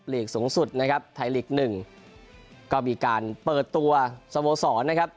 ลีกสูงสุดนะครับไทยลีกหนึ่งก็มีการเปิดตัวสโมสรนะครับ